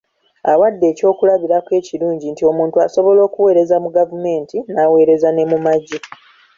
Awadde ekyokulabirako ekirungi nti omuntu asobola okuweereza mu gavumenti, n'aweereza ne mu magye.